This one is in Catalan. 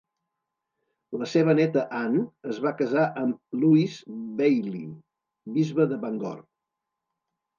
La seva néta Ann es va casar amb Lewis Bayly, bisbe de Bangor.